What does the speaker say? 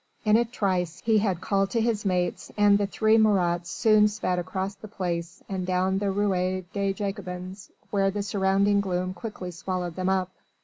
In a trice he had called to his mates and the three Marats soon sped across the Place and down the Ruelle des Jacobins where the surrounding gloom quickly swallowed them up.